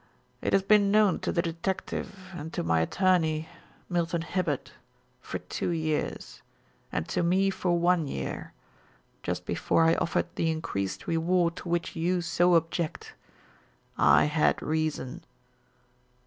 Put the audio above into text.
It has been known to the detective and to my attorney, Milton Hibbard, for two years, and to me for one year just before I offered the increased reward to which you so object. I had reason."